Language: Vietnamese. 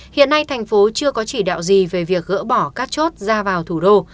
hiện nay thành phố chưa có chỉ đạo gì về việc gỡ bỏ các chốt ra vào thủ đô